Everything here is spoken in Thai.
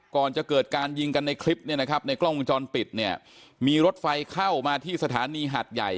ก่อนจะเกิดการยิงกันในคลิปเนี่ยนะครับในกล้องวงจรปิดเนี่ยมีรถไฟเข้ามาที่สถานีหัดใหญ่